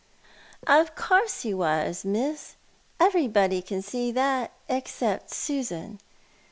" Of course he was, Miss. Everybody can see that, except Susan.